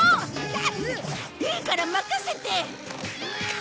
いいから任せて！